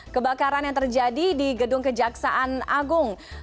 kebakaran yang terjadi di gedung kejaksaan agung